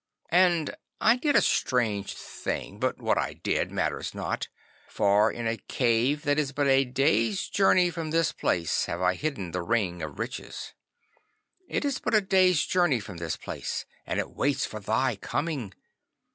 'And I did a strange thing, but what I did matters not, for in a cave that is but a day's journey from this place have, I hidden the Ring of Riches. It is but a day's journey from this place, and it waits for thy coming.